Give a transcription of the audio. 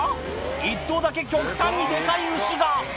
１頭だけ極端にデカい牛が！